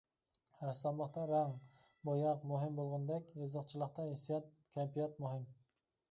رەسساملىقتا رەڭ، بوياق مۇھىم بولغاندەك، يېزىقچىلىقتا ھېسسىيات، كەيپىيات مۇھىم.